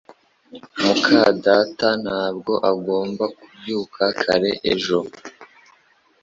muka data ntabwo agomba kubyuka kare ejo